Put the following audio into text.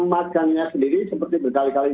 magangnya sendiri seperti berkali kali